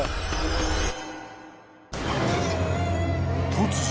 ［突如］